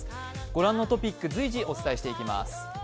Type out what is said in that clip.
ご覧のトピック随時お伝えしていきます。